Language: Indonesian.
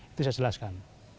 itu saya jelaskan